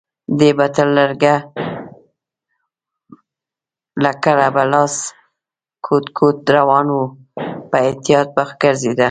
دی به تل لکړه په لاس ګوډ ګوډ روان و، په احتیاط به ګرځېده.